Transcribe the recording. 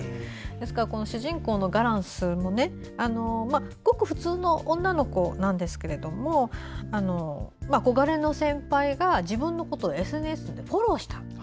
ですから主人公のガランスもごく普通の女の子ですが憧れの先輩が自分のことをＳＮＳでフォローした。